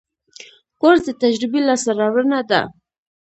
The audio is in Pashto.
کورس د تجربې لاسته راوړنه ده.